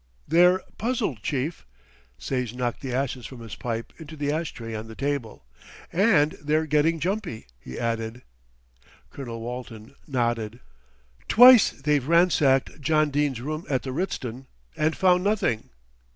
"They're puzzled, chief" Sage knocked the ashes from his pipe into the ash tray on the table "and they're getting jumpy," he added. Colonel Walton nodded. "Twice they've ransacked John Dene's room at the Ritzton and found nothing."